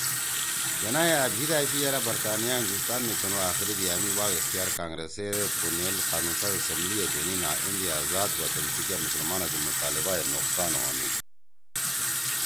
جناح ئے أ بھیِت أشی یرأ برطانیہ ہندوستان می تنُو آخری دِیا می واگ اختیار کانگرسے دے پُونیل قانون ساز اسمبلی ئے دینیِن آں ایندے آزاد وطن سی کیا مسلمانا سی مطالبہ ئے نقصان ہونیِن